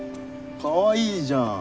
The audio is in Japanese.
かわいいじゃん！